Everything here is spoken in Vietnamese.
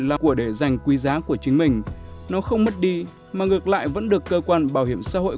là của để giành quý giá của chính mình nó không mất đi mà ngược lại vẫn được cơ quan bảo hiểm xã hội